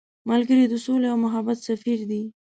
ملګری د سولې او محبت سفیر دی